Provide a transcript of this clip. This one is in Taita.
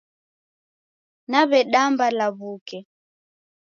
Naw'edamba law'uke